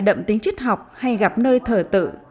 đậm tính trích học hay gặp nơi thở tự